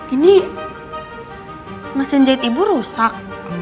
ini mesin jahit ibu rusak